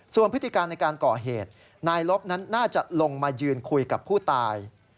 ส่วนพฤติการในการก่อเหตุนายลบนั้นน่าจะลงมายืนคุยกับผู้ตาย